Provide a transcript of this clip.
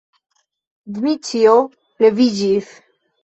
Dmiĉjo leviĝis.